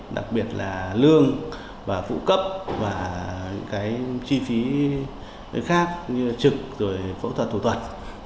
đặc biệt là lương phụ cấp và chi phí khác như trực phẫu thuật thủ thuật